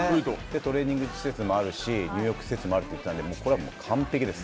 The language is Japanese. トレーニング施設もあるし入浴施設もあると言ってたので、これはもう、完璧です。